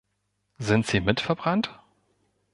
Sind sie mit verbrannt?